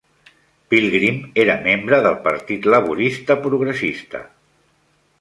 Pilgrim era membre del Partit Laborista Progressista.